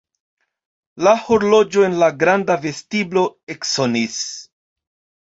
La horloĝo en la granda vestiblo eksonis.